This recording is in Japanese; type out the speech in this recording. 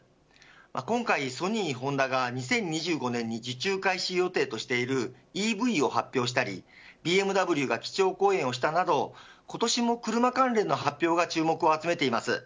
今回ソニーホンダが２０２５年に受注開始としているＥＶを発表したりＢＭＷが基調講演をしたなど今年も車関連の発表が注目を集めています。